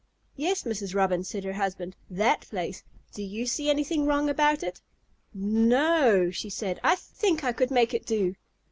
"Yes, Mrs. Robin," said her husband, "that place. Do you see anything wrong about it?" "No o," she said. "I think I could make it do."